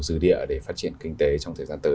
dư địa để phát triển kinh tế trong thời gian tới